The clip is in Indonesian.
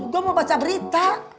gue mau baca berita